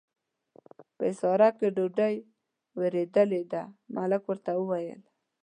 په حصارک کې ډوډۍ ورېدلې ده، ملک ورته وویل.